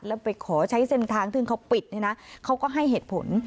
แล้วไปขอใช้เส้นทางซึ่งเขาปิดเนี่ยนะเขาก็ให้เหตุผล